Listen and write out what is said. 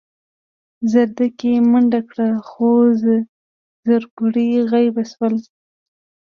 زرکې منډه کړه خو زرکوړي غيب شول.